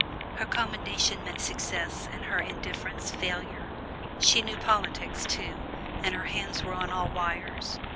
Her commendation meant success and her indifference failure. She knew politics, too, and her hands were on all wires.